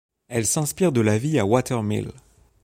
Elle s'inspire de la vie à Water Mill.